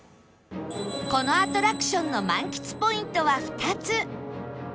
このアトラクションの満喫ポイントは２つ